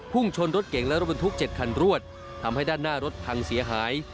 ชนรถเก่งและรถบรรทุก๗คันรวดทำให้ด้านหน้ารถพังเสียหาย